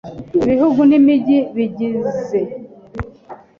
Ibihugu nimigi ibigize